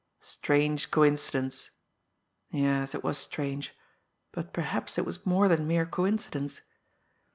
Strange coincidence! Yes, it was strange but perhaps it was more than mere coincidence!